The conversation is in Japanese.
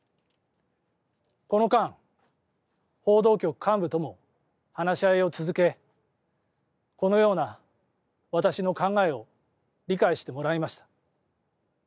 この間、報道局幹部とも話し合いを続けこのような私の考えを理解してもらいました。